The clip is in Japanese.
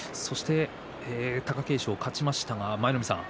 貴景勝、勝ちましたが舞の海さん